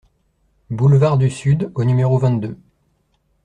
Boulevard du Sud au numéro vingt-deux